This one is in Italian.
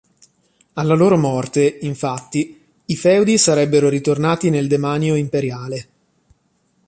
Alla loro morte, infatti, i feudi sarebbero ritornati nel demanio imperiale.